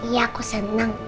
iya aku senang